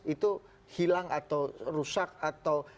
itu hilang atau rusak atau